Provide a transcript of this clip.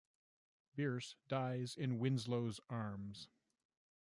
Bierce dies in Winslow's arms.